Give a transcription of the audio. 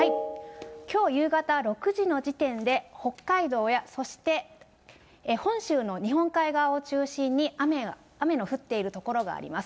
きょう夕方６時の時点で、北海道や、そして本州の日本海側を中心に雨の降っている所があります。